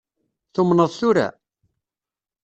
Tumneḍ tura?